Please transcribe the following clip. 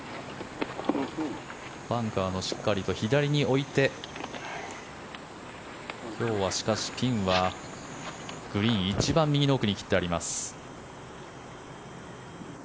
バンカーのしっかり左に置いて今日はしかしピンはグリーン一番右の奥に切ってあります。